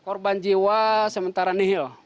korban jiwa sementara nihil